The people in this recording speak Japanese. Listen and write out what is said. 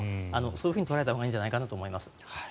そういうふうに捉えたほうがいいんじゃないかなと思います。